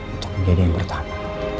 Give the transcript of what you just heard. untuk menjadi yang pertama